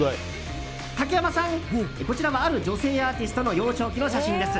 竹山さん、こちらはある女性アーティストの幼少期の写真です。